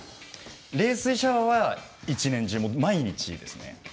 冷水シャワーは一年中毎日ですね。